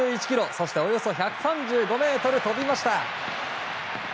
そしておよそ１３５ｍ飛びました。